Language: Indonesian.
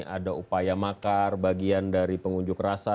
ada upaya makar bagian dari pengunjuk rasa